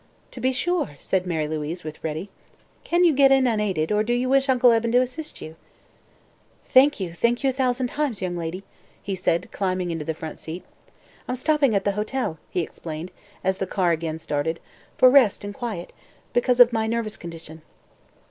"To be sure," said Mary Louise with ready. "Can you get in unaided, or do you wish Uncle Eben to assist you?" "Thank you; thank you a thousand times, young lady," said he, climbing into the front seat. "I'm stopping at the hotel," he explained, as the car again started, "for rest and quiet, because of my nervous condition.